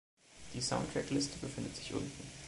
Die Soundtrack-Liste befindet sich unten.